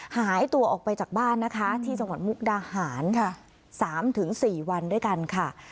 หายตัวออกไปจากบ้านนะคะที่จังหวัดมุกดาหาร๓๔วันด้วยกันค่ะ